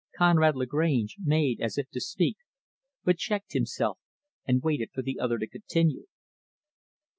Conrad Lagrange made as if to speak, but checked himself and waited for the other to continue.